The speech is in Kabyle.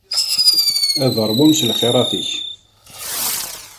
Ad ṛwun s lxirat-ik.